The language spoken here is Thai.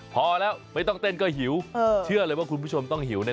พอแล้วไม่ต้องเต้นก็หิวเชื่อเลยว่าคุณผู้ชมต้องหิวแน